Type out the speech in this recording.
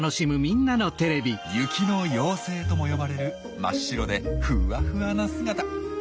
「雪の妖精」とも呼ばれる真っ白でふわふわな姿。